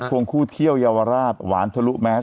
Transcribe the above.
วงคู่เที่ยวเยาวราชหวานทะลุแมส